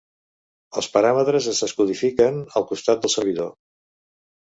Els paràmetres es descodifiquen al costat del servidor.